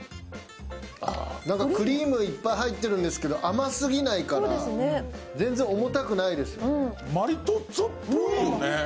なんかクリームいっぱい入ってるんですけど甘すぎないから全然重たくないですよね。